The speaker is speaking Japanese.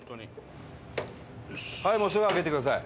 はいもうすぐ開けてください。